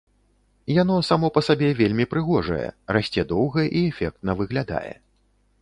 Яно само па сабе вельмі прыгожае, расце доўга і эфектна выглядае.